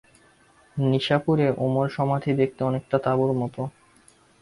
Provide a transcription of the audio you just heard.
নিশাপুরে ওমরের সমাধি দেখতে অনেকটা তাঁবুর মতো।